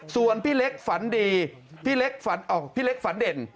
ส่วนพี่เล็กฝันดีพี่เล็กฝันเด่น